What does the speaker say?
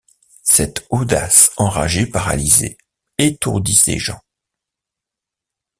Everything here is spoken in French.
Cette audace enragée paralysait, étourdissait Jean.